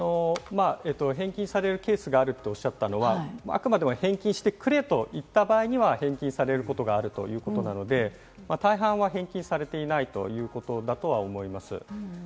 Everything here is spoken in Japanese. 返金されるケースがあるとおっしゃったのは、あくまでも返金してくれと言った場合には返金されることがあるということなので、大半は返金されていないということだと思います。